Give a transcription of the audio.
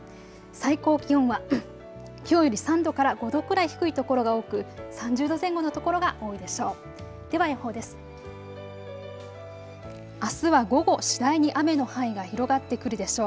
最高気温はきょうより３度から５度くらい低いところが多く、３０度前後の所が多いでしょう。